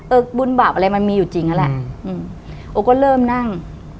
เออบุญบาปอะไรมันมีอยู่จริงน่ะแหละโอ๊ะก็เริ่มนั่ง